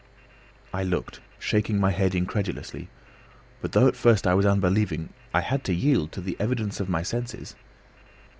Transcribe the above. I looked, shaking my head incredulously. But though at first I was unbelieving I had to yield to the evidence of my senses.